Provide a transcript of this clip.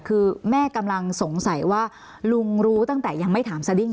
คือแม่กำลังสงสัยว่าลุงรู้ตั้งแต่ยังไม่ถามสดิ้ง